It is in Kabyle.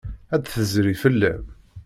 Ad d-tezri fell-am.